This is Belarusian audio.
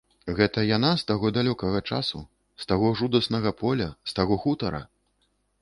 Гэта яна з таго далёкага часу, з таго жудаснага поля, з таго хутара?